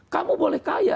kamu boleh kaya